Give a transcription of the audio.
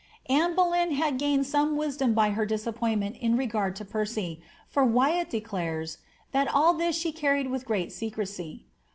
^ Anne Boleyn had gained some little wisdom by her disappointment i regard to Percy, for Wyatt declares ^ that all this she earned with gre: secrecy."